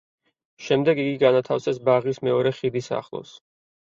შემდეგ იგი განათავსეს ბაღის მეორე ხიდის ახლოს.